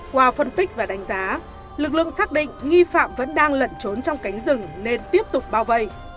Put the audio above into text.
qua phân tích và đánh giá lực lượng xác định nghi phạm vẫn đang lẩn trốn trong cánh rừng nên tiếp tục bao vây